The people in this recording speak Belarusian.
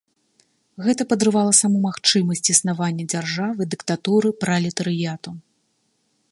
Гэта падрывала саму магчымасць існавання дзяржавы дыктатуры пралетарыяту.